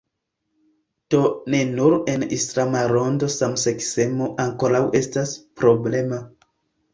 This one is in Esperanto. Do ne nur en islama rondo samseksemo ankoraŭ estas problema.